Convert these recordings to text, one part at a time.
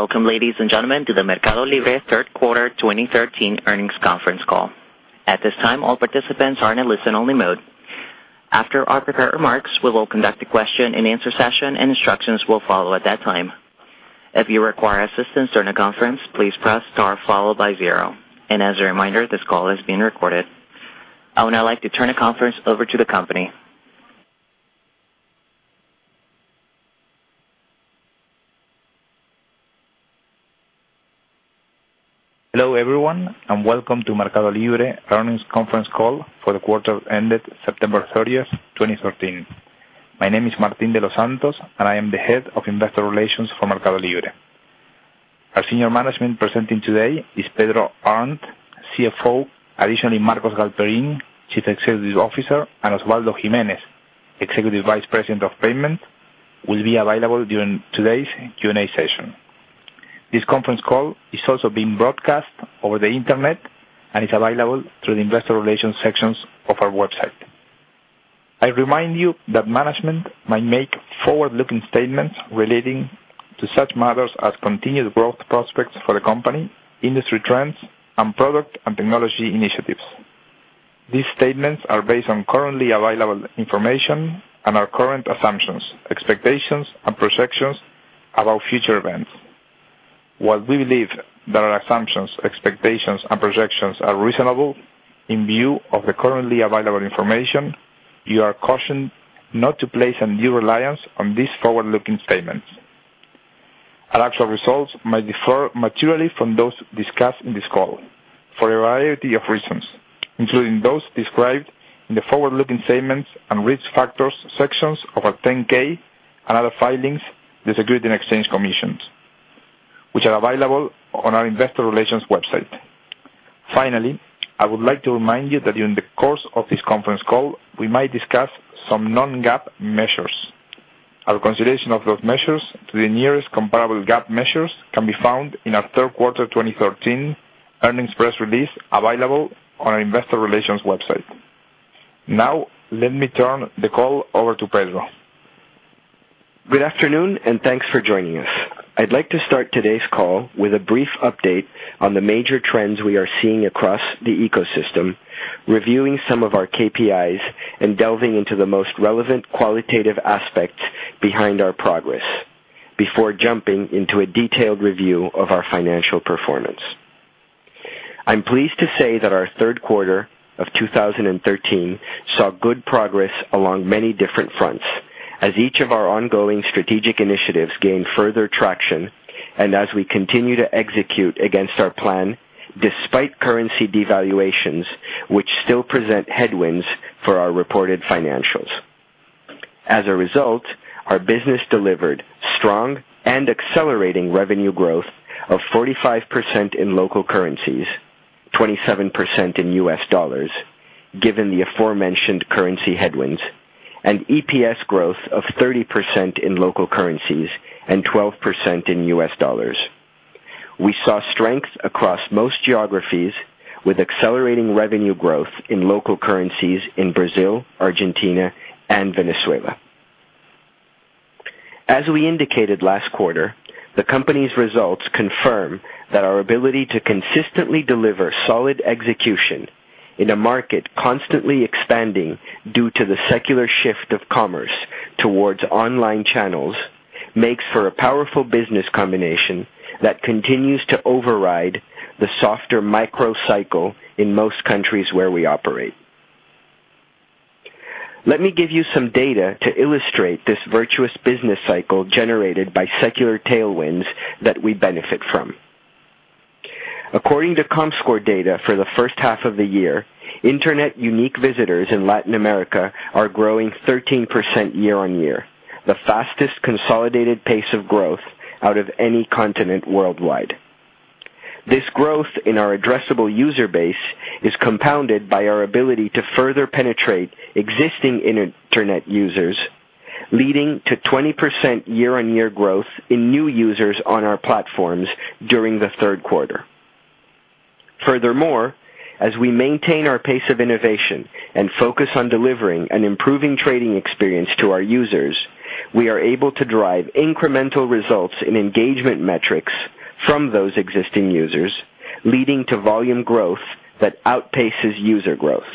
Welcome, ladies and gentlemen, to the MercadoLibre third quarter 2013 earnings conference call. At this time, all participants are in listen-only mode. After our prepared remarks, we will conduct a question-and-answer session. Instructions will follow at that time. If you require assistance during the conference, please press star followed by zero. As a reminder, this call is being recorded. I would now like to turn the conference over to the company. Hello, everyone, welcome to MercadoLibre earnings conference call for the quarter ended September 30th, 2013. My name is Martín de los Santos, I am the Head of Investor Relations for MercadoLibre. Our senior management presenting today is Pedro Arnt, CFO. Additionally, Marcos Galperin, Chief Executive Officer, and Osvaldo Giménez, Executive Vice President of Payment, will be available during today's Q&A session. This conference call is also being broadcast over the internet and is available through the investor relations sections of our website. I remind you that management might make forward-looking statements relating to such matters as continued growth prospects for the company, industry trends, and product and technology initiatives. These statements are based on currently available information and our current assumptions, expectations, and projections about future events. While we believe that our assumptions, expectations, and projections are reasonable in view of the currently available information, you are cautioned not to place undue reliance on these forward-looking statements. Our actual results may differ materially from those discussed in this call for a variety of reasons, including those described in the forward-looking statements and risk factors sections of our 10-K and other filings with Securities and Exchange Commission, which are available on our investor relations website. Finally, I would like to remind you that during the course of this conference call, we might discuss some non-GAAP measures. Our consideration of those measures to the nearest comparable GAAP measures can be found in our third quarter 2013 earnings press release available on our investor relations website. Let me turn the call over to Pedro. Good afternoon, thanks for joining us. I'd like to start today's call with a brief update on the major trends we are seeing across the ecosystem, reviewing some of our KPIs, and delving into the most relevant qualitative aspects behind our progress before jumping into a detailed review of our financial performance. I'm pleased to say that our third quarter of 2013 saw good progress along many different fronts as each of our ongoing strategic initiatives gained further traction and as we continue to execute against our plan, despite currency devaluations, which still present headwinds for our reported financials. As a result, our business delivered strong and accelerating revenue growth of 45% in local currencies, 27% in USD, given the aforementioned currency headwinds, and EPS growth of 30% in local currencies and 12% in USD. We saw strength across most geographies with accelerating revenue growth in local currencies in Brazil, Argentina, and Venezuela. As we indicated last quarter, the company's results confirm that our ability to consistently deliver solid execution in a market constantly expanding due to the secular shift of commerce towards online channels makes for a powerful business combination that continues to override the softer microcycle in most countries where we operate. Let me give you some data to illustrate this virtuous business cycle generated by secular tailwinds that we benefit from. According to Comscore data for the first half of the year, internet unique visitors in Latin America are growing 13% year-on-year, the fastest consolidated pace of growth out of any continent worldwide. This growth in our addressable user base is compounded by our ability to further penetrate existing internet users, leading to 20% year-on-year growth in new users on our platforms during the third quarter. As we maintain our pace of innovation and focus on delivering an improving trading experience to our users, we are able to drive incremental results in engagement metrics from those existing users, leading to volume growth that outpaces user growth.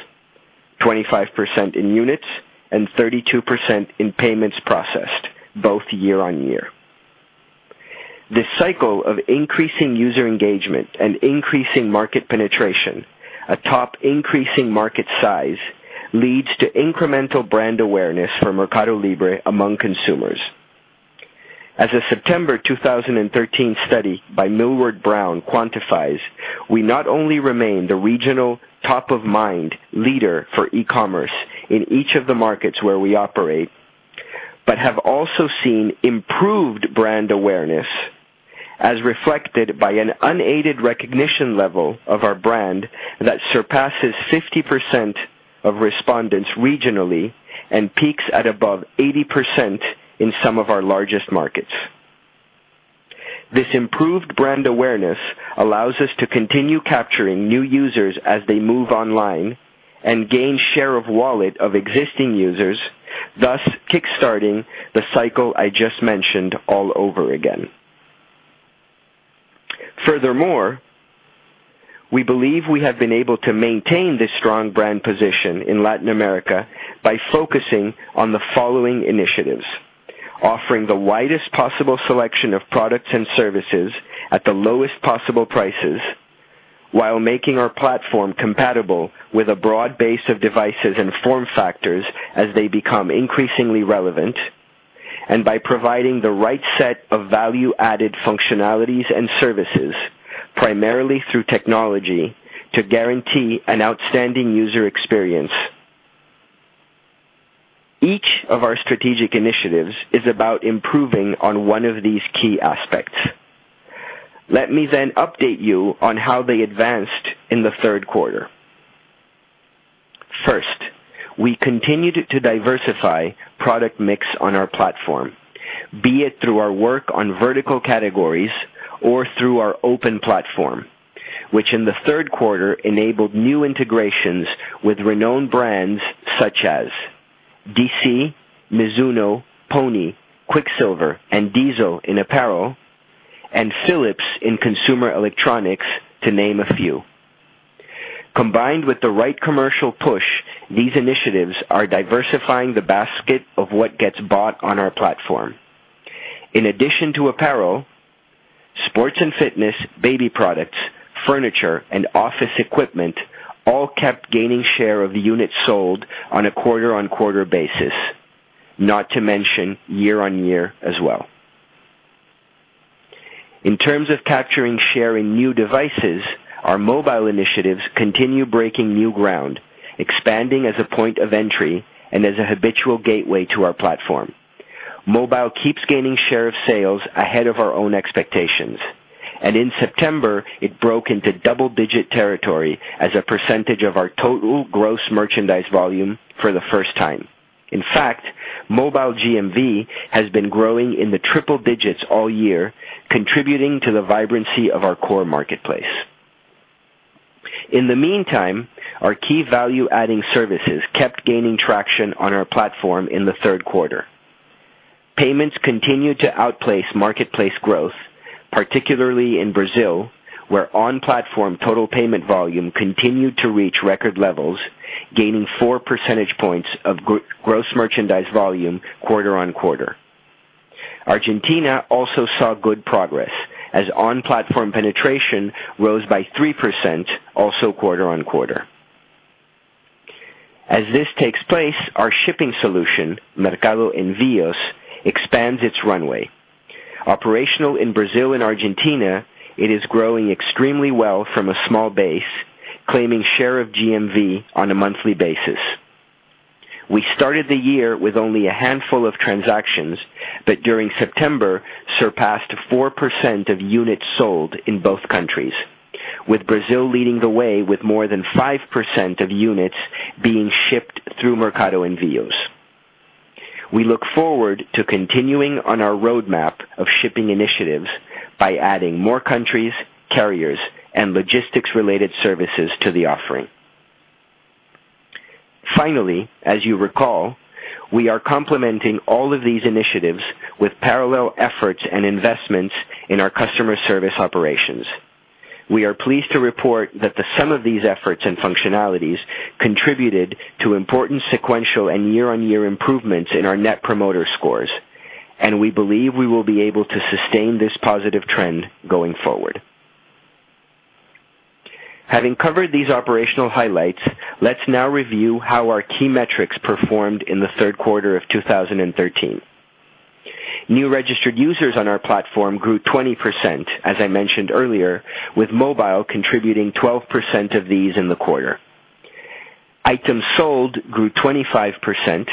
25% in units and 32% in payments processed, both year-on-year. This cycle of increasing user engagement and increasing market penetration atop increasing market size leads to incremental brand awareness for MercadoLibre among consumers. As a September 2013 study by Millward Brown quantifies, we not only remain the regional top-of-mind leader for e-commerce in each of the markets where we operate, but have also seen improved brand awareness, as reflected by an unaided recognition level of our brand that surpasses 50% of respondents regionally and peaks at above 80% in some of our largest markets. This improved brand awareness allows us to continue capturing new users as they move online and gain share of wallet of existing users, thus kickstarting the cycle I just mentioned all over again. We believe we have been able to maintain this strong brand position in Latin America by focusing on the following initiatives: Offering the widest possible selection of products and services at the lowest possible prices while making our platform compatible with a broad base of devices and form factors as they become increasingly relevant. By providing the right set of value-added functionalities and services, primarily through technology, to guarantee an outstanding user experience. Each of our strategic initiatives is about improving on one of these key aspects. Let me then update you on how they advanced in the third quarter. First, we continued to diversify product mix on our platform, be it through our work on vertical categories or through our open platform, which in the third quarter enabled new integrations with renowned brands such as DC, Mizuno, Pony, Quiksilver, and Diesel in apparel, and Philips in consumer electronics, to name a few. Combined with the right commercial push, these initiatives are diversifying the basket of what gets bought on our platform. In addition to apparel, sports and fitness, baby products, furniture, and office equipment all kept gaining share of the units sold on a quarter-on-quarter basis, not to mention year-on-year as well. In terms of capturing share in new devices, our mobile initiatives continue breaking new ground, expanding as a point of entry and as a habitual gateway to our platform. Mobile keeps gaining share of sales ahead of our own expectations. In September, it broke into double-digit territory as a percentage of our total gross merchandise volume for the first time. In fact, mobile GMV has been growing in the triple digits all year, contributing to the vibrancy of our core marketplace. In the meantime, our key value-adding services kept gaining traction on our platform in the third quarter. Payments continued to outpace marketplace growth, particularly in Brazil, where on-platform total payment volume continued to reach record levels, gaining four percentage points of gross merchandise volume quarter-on-quarter. Argentina also saw good progress as on-platform penetration rose by 3%, also quarter-on-quarter. As this takes place, our shipping solution, Mercado Envios, expands its runway. Operational in Brazil and Argentina, it is growing extremely well from a small base, claiming share of GMV on a monthly basis. We started the year with only a handful of transactions. During September, surpassed 4% of units sold in both countries, with Brazil leading the way with more than 5% of units being shipped through Mercado Envios. We look forward to continuing on our roadmap of shipping initiatives by adding more countries, carriers, and logistics-related services to the offering. Finally, as you recall, we are complementing all of these initiatives with parallel efforts and investments in our customer service operations. We are pleased to report that the sum of these efforts and functionalities contributed to important sequential and year-on-year improvements in our Net Promoter Scores, we believe we will be able to sustain this positive trend going forward. Having covered these operational highlights, let's now review how our key metrics performed in the third quarter of 2013. New registered users on our platform grew 20%, as I mentioned earlier, with mobile contributing 12% of these in the quarter. Items sold grew 25%.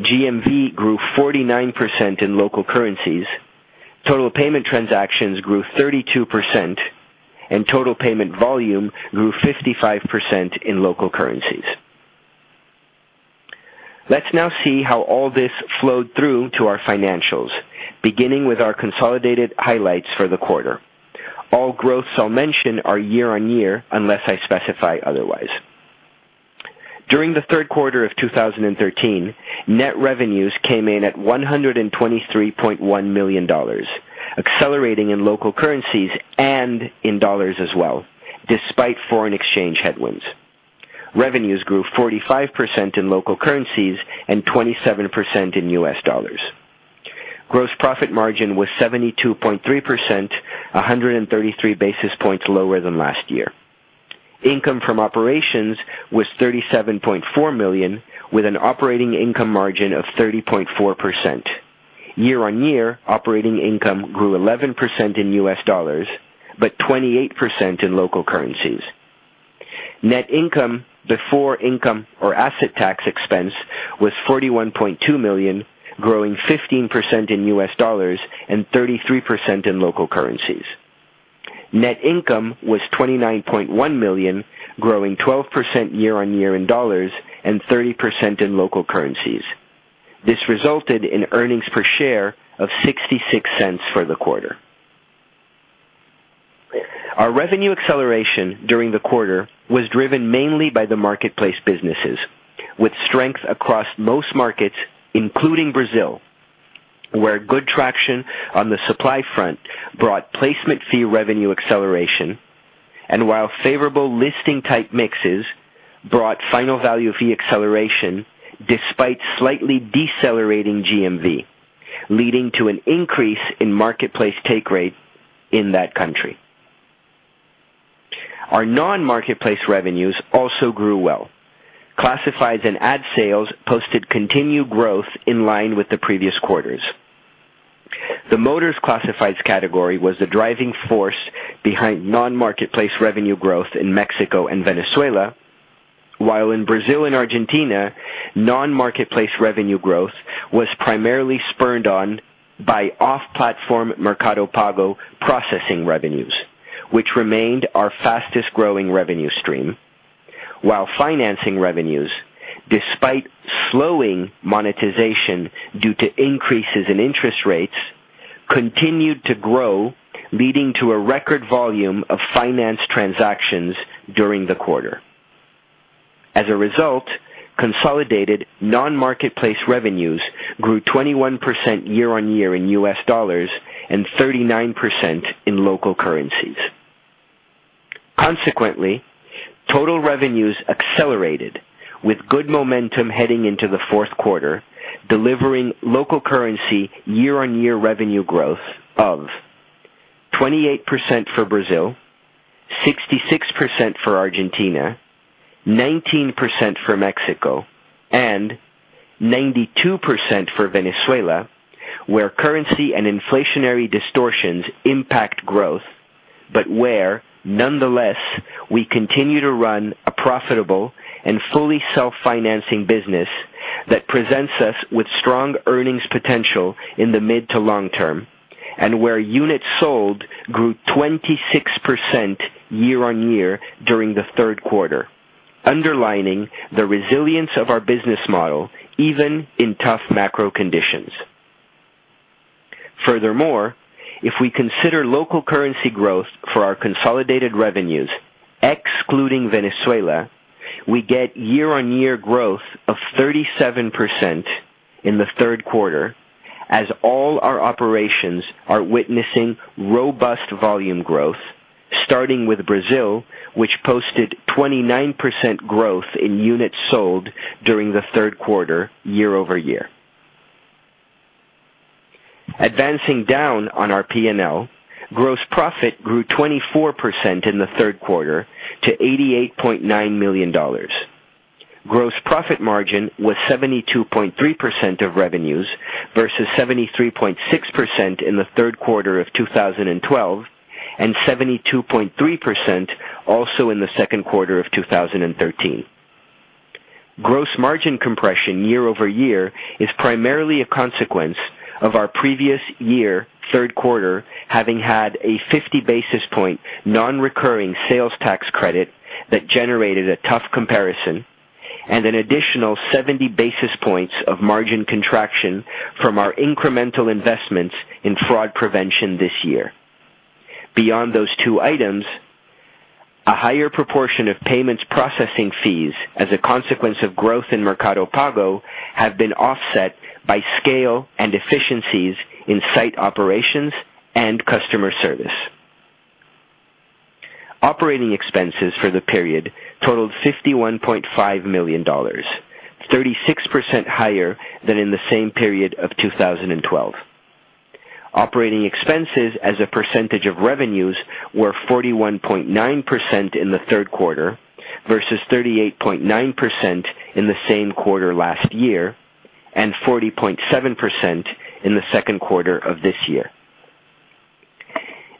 GMV grew 49% in local currencies. Total payment transactions grew 32%. Total payment volume grew 55% in local currencies. Let's now see how all this flowed through to our financials, beginning with our consolidated highlights for the quarter. All growths I'll mention are year-on-year, unless I specify otherwise. During the third quarter of 2013, net revenues came in at $123.1 million, accelerating in local currencies, in dollars as well, despite foreign exchange headwinds. Revenues grew 45% in local currencies and 27% in U.S. dollars. Gross profit margin was 72.3%, 133 basis points lower than last year. Income from operations was $37.4 million, with an operating income margin of 30.4%. Year-on-year, operating income grew 11% in U.S. dollars, 28% in local currencies. Net income before income or asset tax expense was $41.2 million, growing 15% in U.S. dollars and 33% in local currencies. Net income was $29.1 million, growing 12% year-on-year in dollars and 30% in local currencies. This resulted in earnings per share of $0.66 for the quarter. Our revenue acceleration during the quarter was driven mainly by the marketplace businesses, with strength across most markets, including Brazil, where good traction on the supply front brought placement fee revenue acceleration. While favorable listing type mixes brought final value fee acceleration despite slightly decelerating GMV, leading to an increase in marketplace take rate in that country. Our non-marketplace revenues also grew well. Classifieds and ad sales posted continued growth in line with the previous quarters. The Motors classifieds category was the driving force behind non-marketplace revenue growth in Mexico and Venezuela, while in Brazil and Argentina, non-marketplace revenue growth was primarily spurned on by off-platform Mercado Pago processing revenues. Which remained our fastest-growing revenue stream, while financing revenues, despite slowing monetization due to increases in interest rates, continued to grow, leading to a record volume of finance transactions during the quarter. As a result, consolidated non-marketplace revenues grew 21% year-on-year in US dollars and 39% in local currencies. Consequently, total revenues accelerated with good momentum heading into the fourth quarter, delivering local currency year-on-year revenue growth of 28% for Brazil, 66% for Argentina, 19% for Mexico, and 92% for Venezuela, where currency and inflationary distortions impact growth. Where, nonetheless, we continue to run a profitable and fully self-financing business that presents us with strong earnings potential in the mid to long term. Where units sold grew 26% year-on-year during the third quarter, underlining the resilience of our business model, even in tough macro conditions. Furthermore, if we consider local currency growth for our consolidated revenues, excluding Venezuela, we get year-on-year growth of 37% in the third quarter, as all our operations are witnessing robust volume growth, starting with Brazil, which posted 29% growth in units sold during the third quarter year-over-year. Advancing down on our P&L, gross profit grew 24% in the third quarter to $88.9 million. Gross profit margin was 72.3% of revenues versus 73.6% in the third quarter of 2012 and 72.3% also in the second quarter of 2013. Gross margin compression year-over-year is primarily a consequence of our previous year third quarter having had a 50 basis point non-recurring sales tax credit that generated a tough comparison and an additional 70 basis points of margin contraction from our incremental investments in fraud prevention this year. Beyond those two items, a higher proportion of payments processing fees as a consequence of growth in Mercado Pago have been offset by scale and efficiencies in site operations and customer service. Operating expenses for the period totaled $51.5 million, 36% higher than in the same period of 2012. Operating expenses as a percentage of revenues were 41.9% in the third quarter versus 38.9% in the same quarter last year and 40.7% in the second quarter of this year.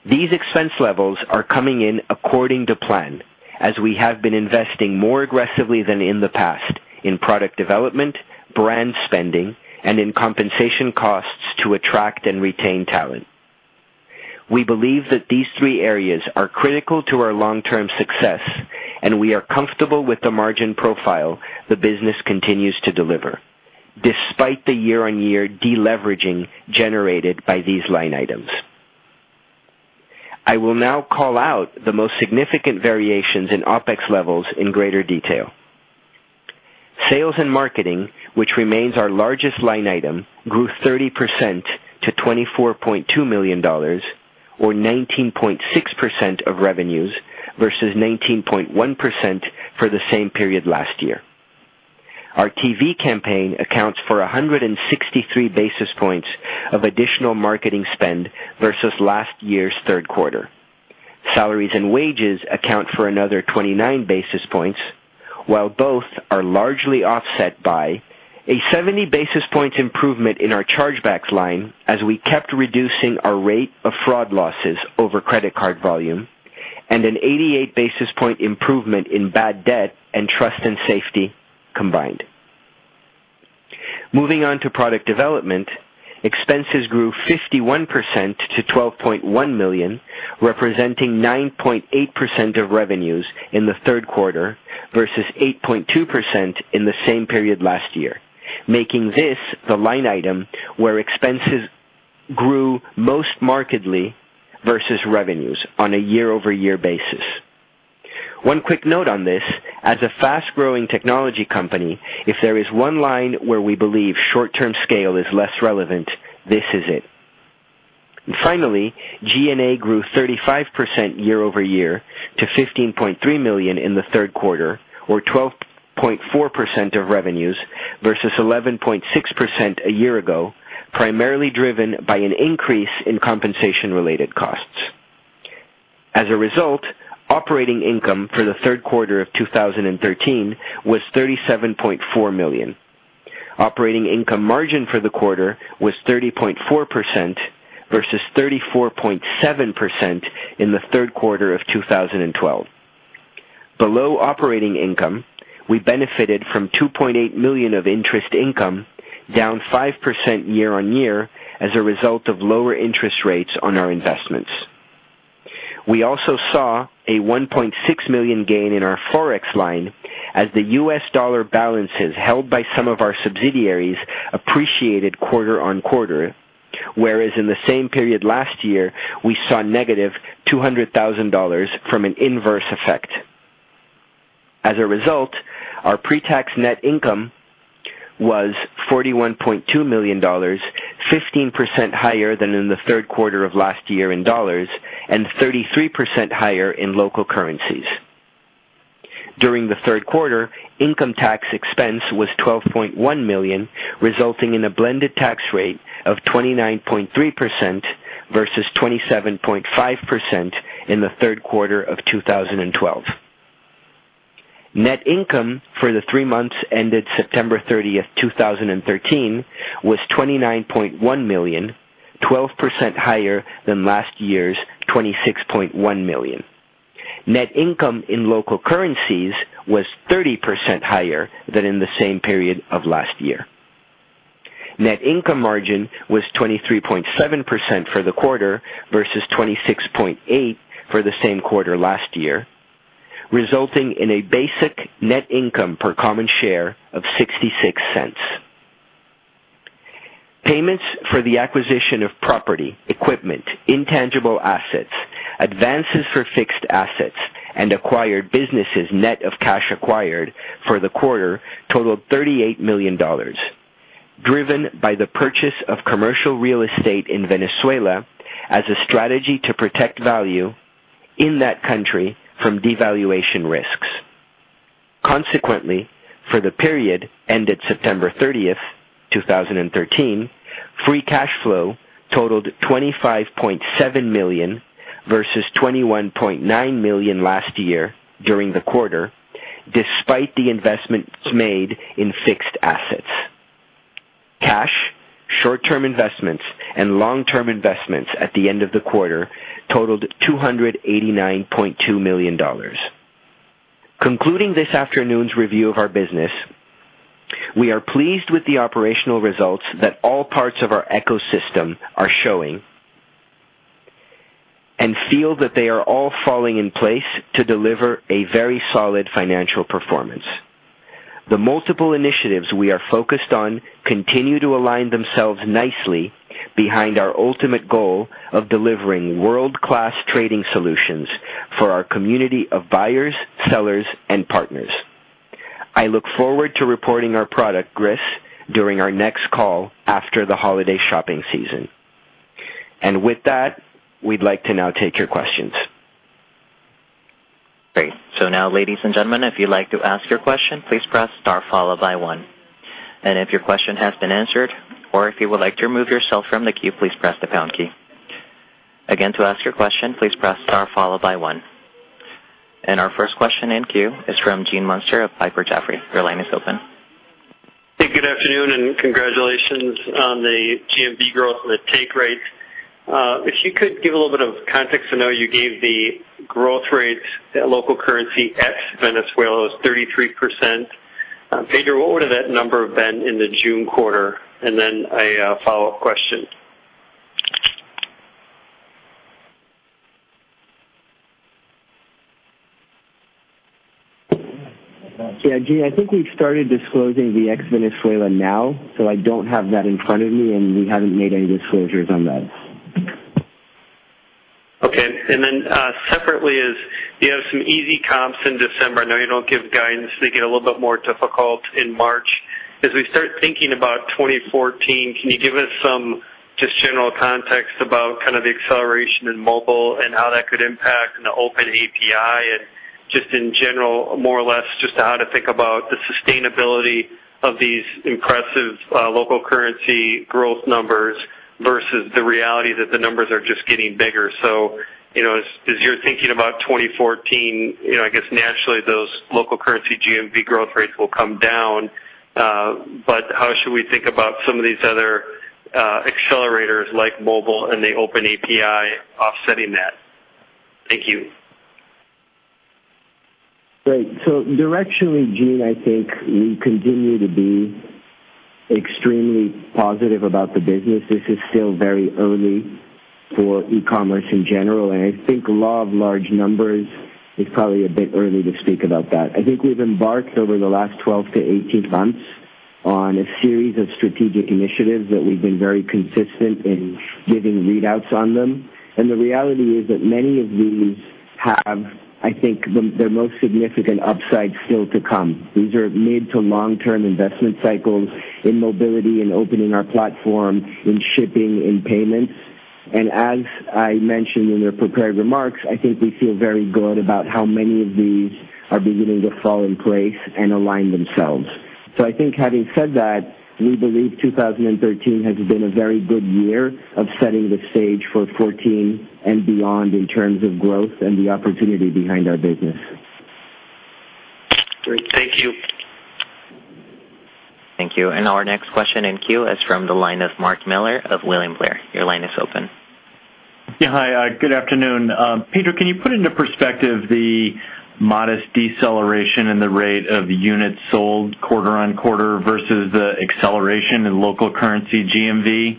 These expense levels are coming in according to plan as we have been investing more aggressively than in the past in product development, brand spending, and in compensation costs to attract and retain talent. We believe that these three areas are critical to our long-term success, and we are comfortable with the margin profile the business continues to deliver, despite the year-on-year deleveraging generated by these line items. I will now call out the most significant variations in OpEx levels in greater detail. Sales and marketing, which remains our largest line item, grew 30% to $24.2 million or 19.6% of revenues versus 19.1% for the same period last year. Our TV campaign accounts for 163 basis points of additional marketing spend versus last year's third quarter. Salaries and wages account for another 29 basis points, while both are largely offset by a 70 basis point improvement in our chargebacks line as we kept reducing our rate of fraud losses over credit card volume and an 88 basis point improvement in bad debt and trust and safety combined. Moving on to product development, expenses grew 51% to $12.1 million, representing 9.8% of revenues in the third quarter versus 8.2% in the same period last year, making this the line item where expenses grew most markedly versus revenues on a year-over-year basis. One quick note on this, as a fast-growing technology company, if there is one line where we believe short-term scale is less relevant, this is it. G&A grew 35% year-over-year to $15.3 million in the third quarter, or 12.4% of revenues versus 11.6% a year ago, primarily driven by an increase in compensation-related costs. Operating income for the third quarter of 2013 was $37.4 million. Operating income margin for the quarter was 30.4% versus 34.7% in the third quarter of 2012. Below operating income, we benefited from $2.8 million of interest income, down 5% year-on-year as a result of lower interest rates on our investments. We also saw a $1.6 million gain in our Forex line as the U.S. dollar balances held by some of our subsidiaries appreciated quarter-on-quarter, whereas in the same period last year, we saw negative $200,000 from an inverse effect. Our pre-tax net income was $41.2 million, 15% higher than in the third quarter of last year in dollars and 33% higher in local currencies. During the third quarter, income tax expense was $12.1 million, resulting in a blended tax rate of 29.3% versus 27.5% in the third quarter of 2012. Net income for the three months ended September 30th, 2013, was $29.1 million, 12% higher than last year's $26.1 million. Net income in local currencies was 30% higher than in the same period of last year. Net income margin was 23.7% for the quarter versus 26.8% for the same quarter last year, resulting in a basic net income per common share of $0.66. Payments for the acquisition of property, equipment, intangible assets, advances for fixed assets, and acquired businesses net of cash acquired for the quarter totaled $38 million, driven by the purchase of commercial real estate in Venezuela as a strategy to protect value in that country from devaluation risks. For the period ended September 30th, 2013, free cash flow totaled $25.7 million versus $21.9 million last year during the quarter, despite the investments made in fixed assets. Cash, short-term investments, and long-term investments at the end of the quarter totaled $289.2 million. Concluding this afternoon's review of our business, we are pleased with the operational results that all parts of our ecosystem are showing and feel that they are all falling in place to deliver a very solid financial performance. The multiple initiatives we are focused on continue to align themselves nicely behind our ultimate goal of delivering world-class trading solutions for our community of buyers, sellers, and partners. I look forward to reporting our product risks during our next call after the holiday shopping season. With that, we'd like to now take your questions. Great. Now, ladies and gentlemen, if you'd like to ask your question, please press star followed by one. If your question has been answered or if you would like to remove yourself from the queue, please press the pound key. Again, to ask your question, please press star followed by one. Our first question in queue is from Gene Munster of Piper Jaffray. Your line is open. Hey, good afternoon, congratulations on the GMV growth and the take rates. If you could give a little bit of context. I know you gave the growth rates, local currency ex Venezuela was 33%. Pedro, what would that number have been in the June quarter? A follow-up question. Yeah, Gene, I think we've started disclosing the ex Venezuela now. I don't have that in front of me. We haven't made any disclosures on that. Separately is, you have some easy comps in December. I know you don't give guidance. They get a little bit more difficult in March. As we start thinking about 2014, can you give us some just general context about kind of the acceleration in mobile and how that could impact an open API and just in general, more or less, just how to think about the sustainability of these impressive local currency growth numbers versus the reality that the numbers are just getting bigger. As you're thinking about 2014, I guess naturally those local currency GMV growth rates will come down. How should we think about some of these other accelerators like mobile and the open API offsetting that? Thank you. Great. Directionally, Gene, I think we continue to be extremely positive about the business. This is still very early for e-commerce in general, and I think law of large numbers, it's probably a bit early to speak about that. I think we've embarked over the last 12 to 18 months on a series of strategic initiatives that we've been very consistent in giving readouts on them. The reality is that many of these have, I think, their most significant upside still to come. These are mid to long-term investment cycles in mobility, in opening our platform, in shipping, in payments. As I mentioned in the prepared remarks, I think we feel very good about how many of these are beginning to fall in place and align themselves. I think having said that, we believe 2013 has been a very good year of setting the stage for 2014 and beyond in terms of growth and the opportunity behind our business. Great. Thank you. Thank you. Our next question in queue is from the line of Mark Miller of William Blair. Your line is open. Yeah, hi. Good afternoon. Pedro, can you put into perspective the modest deceleration in the rate of units sold quarter-on-quarter versus the acceleration in local currency GMV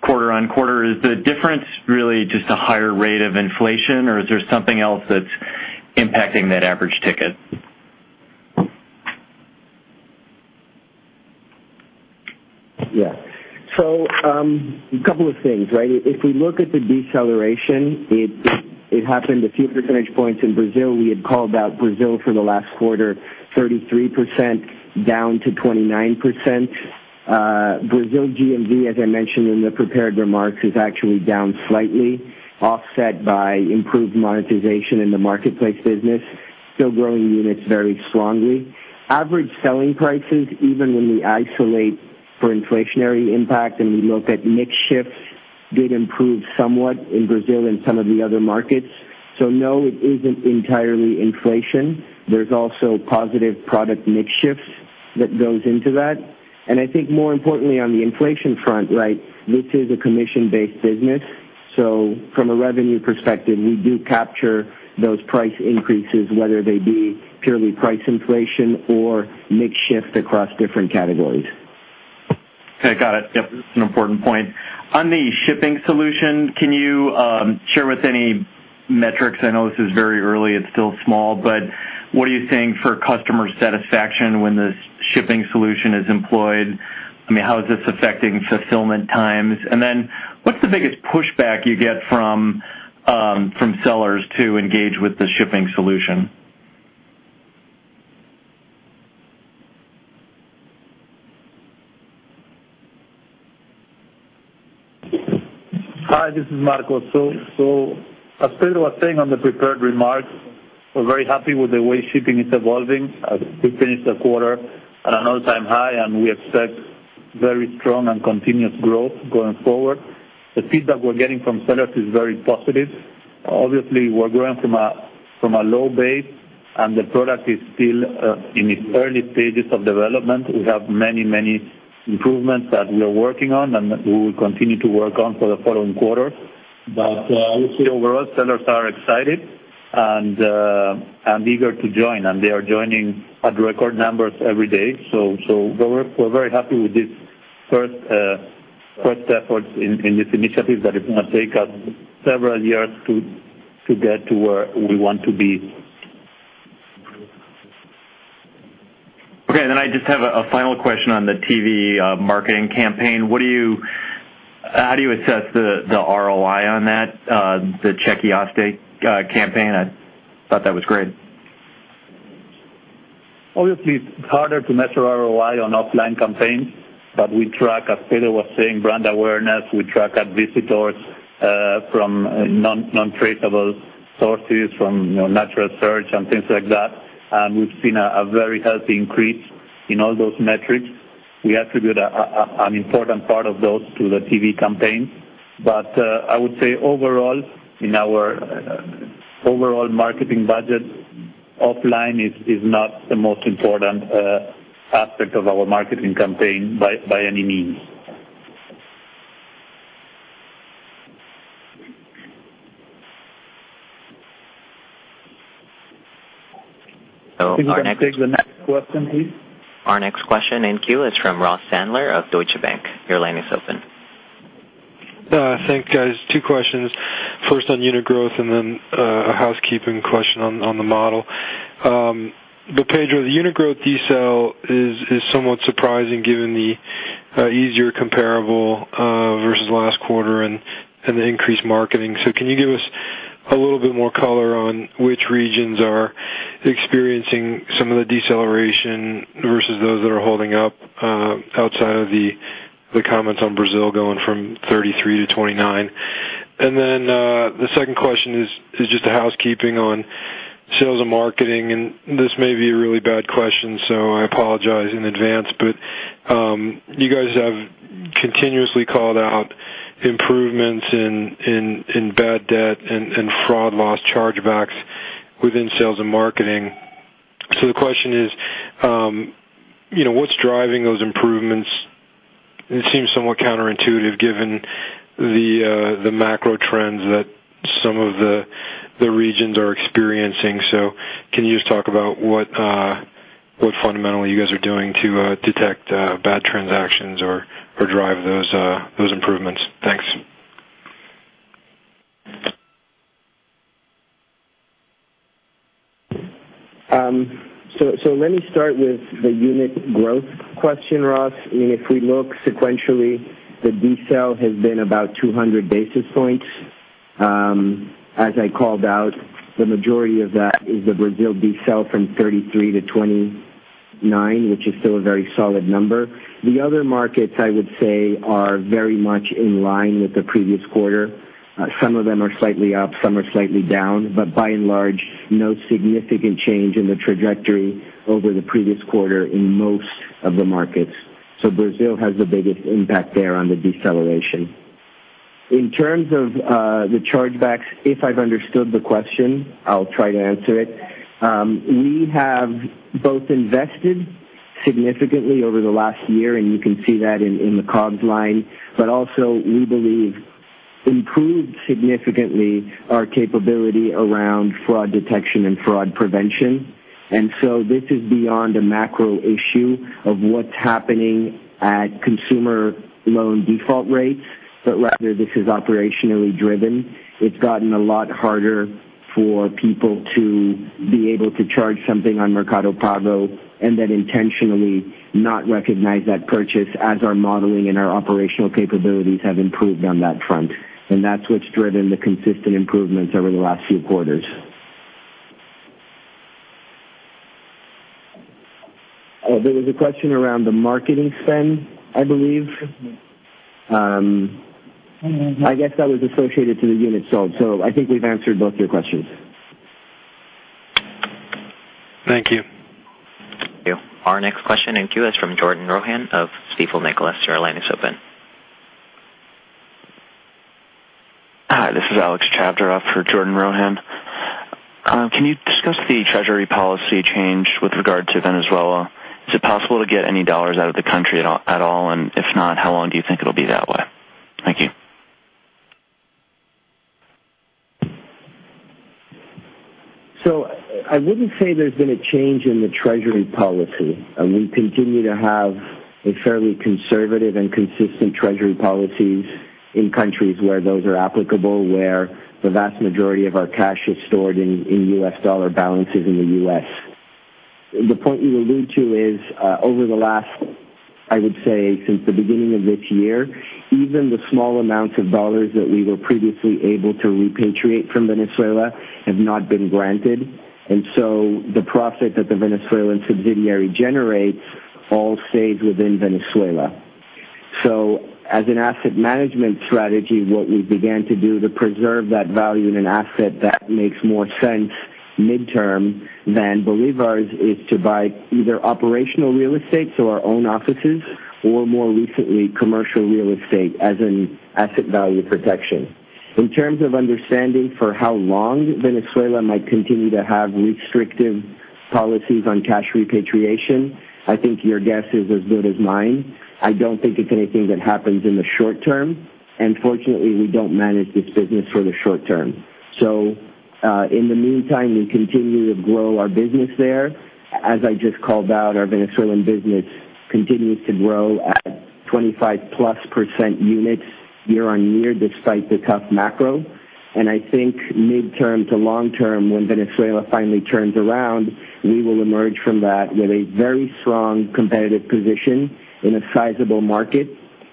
quarter-on-quarter? Is the difference really just a higher rate of inflation, or is there something else that's impacting that average ticket? Yeah. A couple of things, right? If we look at the deceleration, it happened a few percentage points in Brazil. We had called out Brazil for the last quarter, 33% down to 29%. Brazil GMV, as I mentioned in the prepared remarks, is actually down slightly, offset by improved monetization in the marketplace business, still growing units very strongly. Average selling prices, even when we isolate for inflationary impact and we look at mix shifts, did improve somewhat in Brazil and some of the other markets. No, it isn't entirely inflation. There's also positive product mix shifts that goes into that. I think more importantly on the inflation front, right, this is a commission-based business, so from a revenue perspective, we do capture those price increases, whether they be purely price inflation or mix shift across different categories. Okay, got it. Yep, that's an important point. On the shipping solution, can you share with any metrics? I know this is very early, it's still small, but what are you seeing for customer satisfaction when the shipping solution is employed? How is this affecting fulfillment times? What's the biggest pushback you get from sellers to engage with the shipping solution? Hi, this is Marcos. As Pedro was saying on the prepared remarks, we're very happy with the way shipping is evolving as we finish the quarter at an all-time high, and we expect very strong and continuous growth going forward. The feedback we're getting from sellers is very positive. Obviously, we're growing from a low base and the product is still in its early stages of development. We have many improvements that we are working on, and we will continue to work on for the following quarters. I would say overall, sellers are excited and eager to join, and they are joining at record numbers every day. We're very happy with this first effort in this initiative that is going to take us several years to get to where we want to be. I just have a final question on the TV marketing campaign. How do you assess the ROI on that? The "Chequeaste" campaign, I thought that was great. Obviously, it's harder to measure ROI on offline campaigns, but we track, as Pedro was saying, brand awareness. We track visitors from non-traceable sources, from natural search and things like that. We've seen a very healthy increase in all those metrics. We attribute an important part of those to the TV campaign. I would say overall, in our overall marketing budget, offline is not the most important aspect of our marketing campaign by any means. Our next. Can you take the next question, please? Our next question in queue is from Ross Sandler of Deutsche Bank. Your line is open. Thanks, guys. Two questions. First on unit growth and then a housekeeping question on the model. Pedro, the unit growth decel is somewhat surprising given the easier comparable versus last quarter and the increased marketing. Can you give us a little bit more color on which regions are experiencing some of the deceleration versus those that are holding up, outside of the comments on Brazil going from 33 to 29? The second question is just a housekeeping on sales and marketing. This may be a really bad question, so I apologize in advance. You guys have continuously called out improvements in bad debt and fraud loss chargebacks within sales and marketing. The question is, what's driving those improvements? It seems somewhat counterintuitive given the macro trends that some of the regions are experiencing. Can you just talk about what fundamentally you guys are doing to detect bad transactions or drive those improvements? Thanks. Let me start with the unit growth question, Ross. If we look sequentially, the decel has been about 200 basis points. As I called out, the majority of that is the Brazil decel from 33 to 29, which is still a very solid number. The other markets, I would say, are very much in line with the previous quarter. Some of them are slightly up, some are slightly down, but by and large, no significant change in the trajectory over the previous quarter in most of the markets. Brazil has the biggest impact there on the deceleration. In terms of the chargebacks, if I've understood the question, I'll try to answer it. We have both invested significantly over the last year, and you can see that in the COGS line, but also we believe improved significantly our capability around fraud detection and fraud prevention. This is beyond a macro issue of what's happening at consumer loan default rates, but rather this is operationally driven. It's gotten a lot harder for people to be able to charge something on Mercado Pago and then intentionally not recognize that purchase as our modeling and our operational capabilities have improved on that front. That's what's driven the consistent improvements over the last few quarters. There was a question around the marketing spend, I believe. I guess that was associated to the units sold. I think we've answered both your questions. Thank you. Thank you. Our next question in queue is from Jordan Rohan of Stifel Nicolaus. Your line is open. Hi, this is Alex Chadwyck for Jordan Rohan. Can you discuss the treasury policy change with regard to Venezuela? Is it possible to get any dollars out of the country at all? If not, how long do you think it'll be that way? Thank you. I wouldn't say there's been a change in the treasury policy. We continue to have a fairly conservative and consistent treasury policies in countries where those are applicable, where the vast majority of our cash is stored in U.S. dollar balances in the U.S. The point you allude to is over the last, I would say, since the beginning of this year, even the small amounts of dollars that we were previously able to repatriate from Venezuela have not been granted. The profit that the Venezuelan subsidiary generates all stays within Venezuela. As an asset management strategy, what we began to do to preserve that value in an asset that makes more sense midterm than bolívars is to buy either operational real estate, so our own offices, or more recently, commercial real estate as an asset value protection. In terms of understanding for how long Venezuela might continue to have restrictive policies on cash repatriation, I think your guess is as good as mine. I don't think it's anything that happens in the short term, and fortunately, we don't manage this business for the short term. In the meantime, we continue to grow our business there. As I just called out, our Venezuelan business continues to grow at 25 plus % units year-on-year despite the tough macro. I think midterm to long term, when Venezuela finally turns around, we will emerge from that with a very strong competitive position in a sizable market,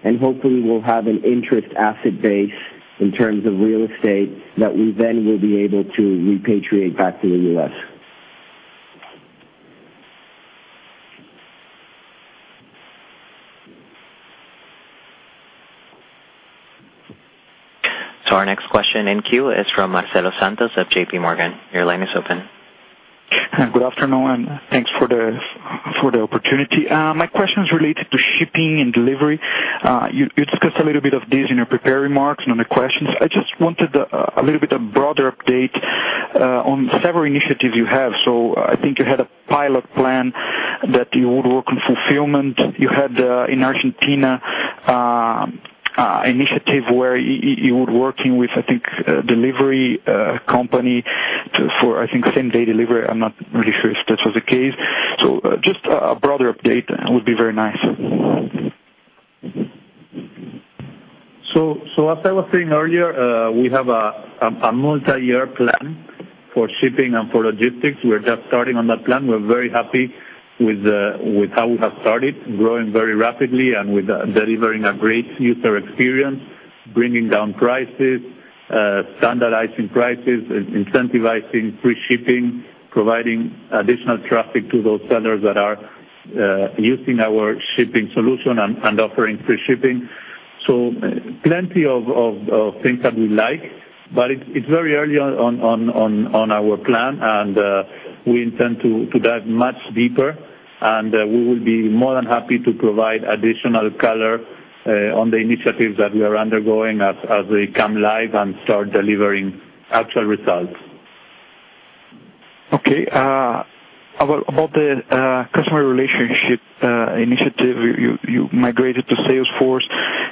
and hopefully we'll have an interest asset base in terms of real estate that we then will be able to repatriate back to the U.S. Our next question in queue is from Marcelo Santos of J.P. Morgan. Your line is open. Good afternoon, and thanks for the opportunity. My question is related to shipping and delivery. You discussed a little bit of this in your prepared remarks and on the questions. I just wanted a little bit of broader update on several initiatives you have. I think you had a pilot plan that you would work on fulfillment. You had in Argentina initiative where you were working with, I think, a delivery company for, I think, same-day delivery. I'm not really sure if that was the case. Just a broader update would be very nice. As I was saying earlier, we have a multi-year plan for shipping and for logistics. We're just starting on that plan. We're very happy with how we have started growing very rapidly and with delivering a great user experience, bringing down prices, standardizing prices, incentivizing free shipping, providing additional traffic to those sellers that are using our shipping solution and offering free shipping. Plenty of things that we like, but it's very early on our plan, and we intend to dive much deeper, and we will be more than happy to provide additional color on the initiatives that we are undergoing as they come live and start delivering actual results. Okay. About the customer relationship initiative, you migrated to Salesforce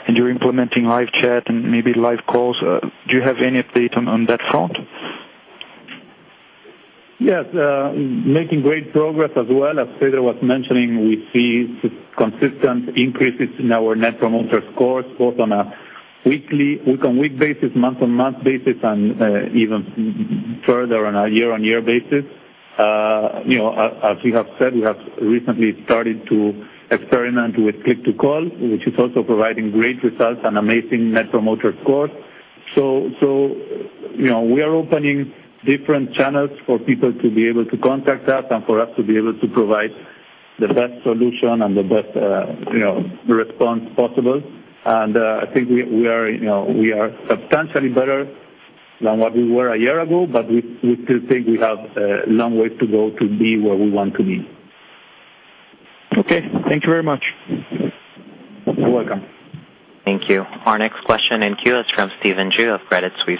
and you're implementing live chat and maybe live calls. Do you have any update on that front? Yes. Making great progress as well. As Pedro was mentioning, we see consistent increases in our Net Promoter Score, both on a week-on-week basis, month-on-month basis, and even further on a year-on-year basis. As we have said, we have recently started to experiment with click-to-call, which is also providing great results and amazing Net Promoter Score. We are opening different channels for people to be able to contact us and for us to be able to provide the best solution and the best response possible. I think we are substantially better than what we were a year ago, but we still think we have a long way to go to be where we want to be. Okay. Thank you very much. You're welcome. Thank you. Our next question in queue is from Stephen Ju of Credit Suisse.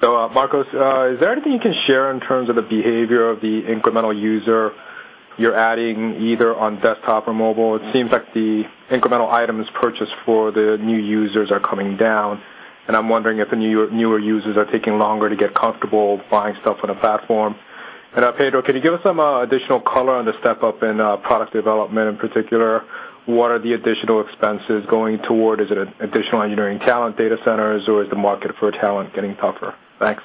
Your line is open. Marcos, is there anything you can share in terms of the behavior of the incremental user you're adding, either on desktop or mobile? It seems like the incremental items purchased for the new users are coming down, and I'm wondering if the newer users are taking longer to get comfortable buying stuff on the platform. Pedro, can you give us some additional color on the step up in product development, in particular, what are the additional expenses going toward? Is it additional engineering talent, data centers, or is the market for talent getting tougher? Thanks.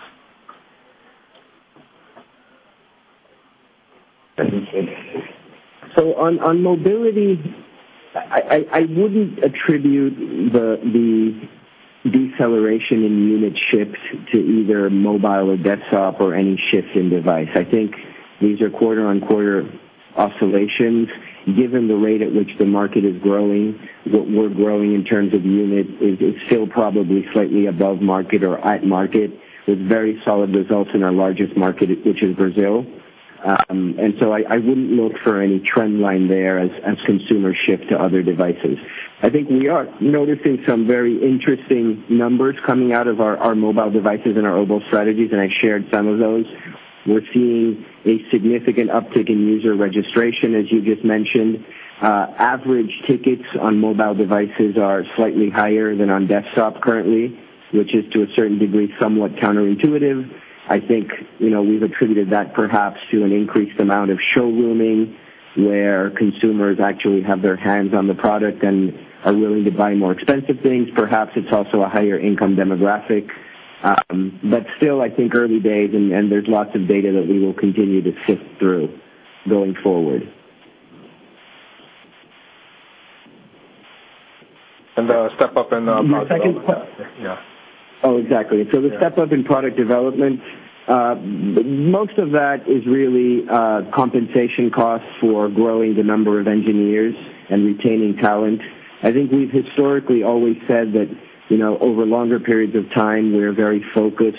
On mobility, I wouldn't attribute the deceleration in unit shifts to either mobile or desktop or any shift in device. I think these are quarter-on-quarter oscillations. Given the rate at which the market is growing, what we're growing in terms of unit is still probably slightly above market or at market, with very solid results in our largest market, which is Brazil. I wouldn't look for any trend line there as consumers shift to other devices. I think we are noticing some very interesting numbers coming out of our mobile devices and our mobile strategies, and I shared some of those. We're seeing a significant uptick in user registration, as you just mentioned. Average tickets on mobile devices are slightly higher than on desktop currently, which is to a certain degree, somewhat counterintuitive. I think we've attributed that perhaps to an increased amount of showrooming, where consumers actually have their hands on the product and are willing to buy more expensive things. Perhaps it's also a higher income demographic. Still, I think early days, and there's lots of data that we will continue to sift through going forward. The step up in product development. Exactly. The step up in product development. Most of that is really compensation costs for growing the number of engineers and retaining talent. I think we've historically always said that over longer periods of time, we are very focused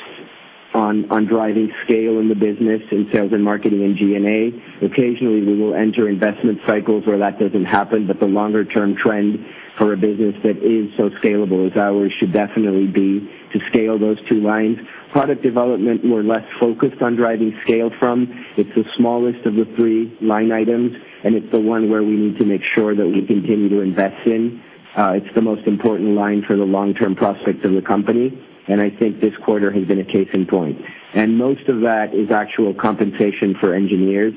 on driving scale in the business, in sales and marketing, and G&A. Occasionally, we will enter investment cycles where that doesn't happen, but the longer-term trend for a business that is so scalable as ours should definitely be to scale those two lines. Product development, we're less focused on driving scale from. It's the smallest of the three line items, and it's the one where we need to make sure that we continue to invest in. It's the most important line for the long-term prospects of the company, and I think this quarter has been a case in point. Most of that is actual compensation for engineers.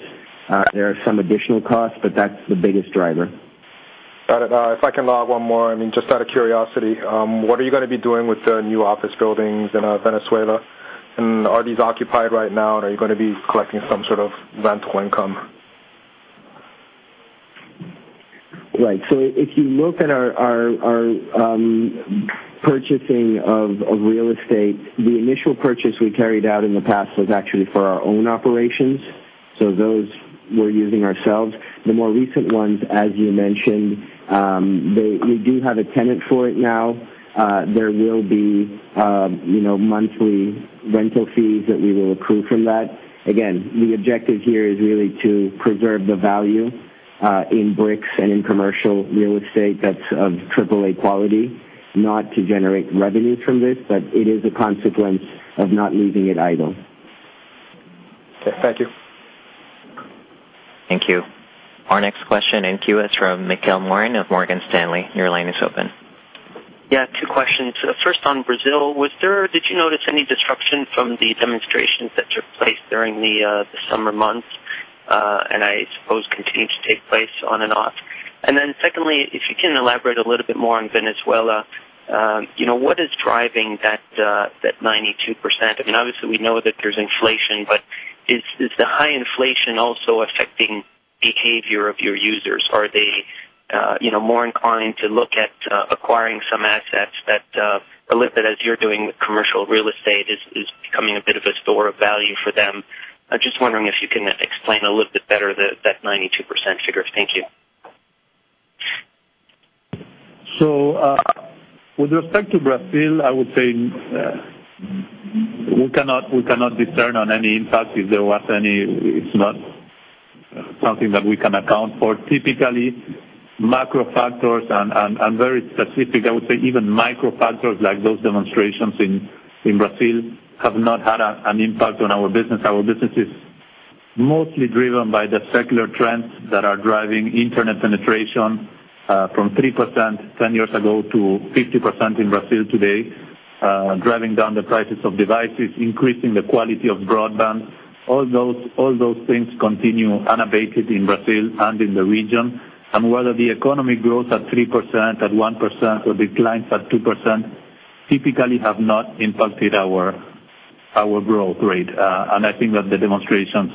There are some additional costs, that's the biggest driver. Got it. If I can log one more, just out of curiosity, what are you going to be doing with the new office buildings in Venezuela? Are these occupied right now, and are you going to be collecting some sort of rental income? Right. If you look at our purchasing of real estate, the initial purchase we carried out in the past was actually for our own operations. Those we're using ourselves. The more recent ones, as you mentioned, we do have a tenant for it now. There will be monthly rental fees that we will accrue from that. The objective here is really to preserve the value in bricks and in commercial real estate that's of triple A quality. Not to generate revenues from this, but it is a consequence of not leaving it idle. Okay. Thank you. Thank you. Our next question in queue is from Michel Morin of Morgan Stanley. Your line is open. Yeah, two questions. First, on Brazil, did you notice any disruption from the demonstrations that took place during the summer months, and I suppose continue to take place on and off? Secondly, if you can elaborate a little bit more on Venezuela. What is driving that 92%? Obviously, we know that there's inflation, but is the high inflation also affecting behavior of your users? Are they more inclined to look at acquiring some assets that, a little bit as you're doing with commercial real estate, is becoming a bit of a store of value for them? I'm just wondering if you can explain a little bit better that 92% figure. Thank you. With respect to Brazil, I would say we cannot discern on any impact if there was any. It's not something that we can account for. Typically, macro factors and very specific, I would say even micro factors like those demonstrations in Brazil have not had an impact on our business. Our business is mostly driven by the secular trends that are driving internet penetration from 3% 10 years ago to 50% in Brazil today, driving down the prices of devices, increasing the quality of broadband. All those things continue unabated in Brazil and in the region. Whether the economy grows at 3%, at 1%, or declines at 2%, typically have not impacted our growth rate. I think that the demonstrations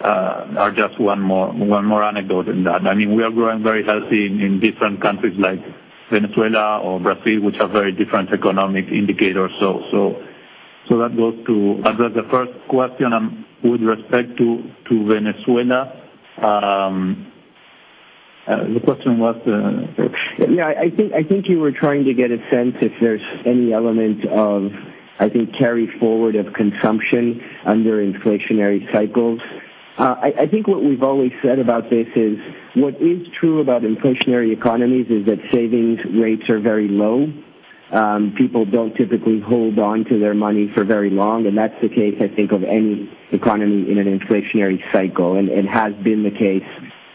are just one more anecdote in that. We are growing very healthy in different countries like Venezuela or Brazil, which have very different economic indicators. That goes to address the first question. With respect to Venezuela, the question was. Yeah, I think you were trying to get a sense if there's any element of, I think, carry forward of consumption under inflationary cycles. I think what we've always said about this is what is true about inflationary economies is that savings rates are very low. People don't typically hold on to their money for very long, and that's the case, I think, of any economy in an inflationary cycle, and it has been the case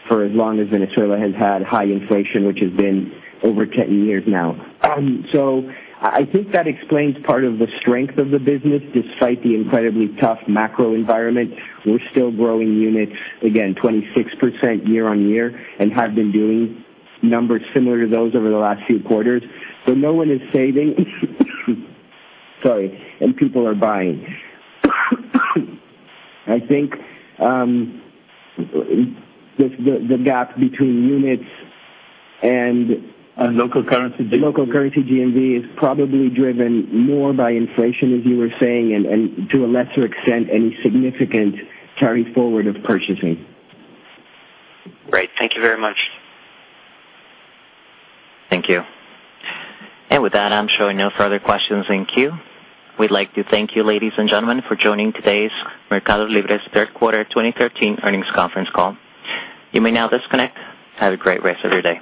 for as long as Venezuela has had high inflation, which has been over 10 years now. I think that explains part of the strength of the business. Despite the incredibly tough macro environment, we're still growing units, again, 26% year-on-year and have been doing numbers similar to those over the last few quarters. No one is saving, sorry, and people are buying. I think the gap between units and- Local currency GMV. Local currency GMV is probably driven more by inflation, as you were saying, and to a lesser extent, any significant carry forward of purchasing. Great. Thank you very much. Thank you. With that, I'm showing no further questions in queue. We'd like to thank you, ladies and gentlemen, for joining today's MercadoLibre's third quarter 2013 earnings conference call. You may now disconnect. Have a great rest of your day.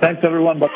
Thanks, everyone. Bye.